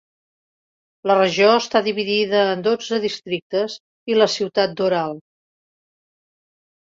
La regió està dividida en dotze districtes i la ciutat d'Oral.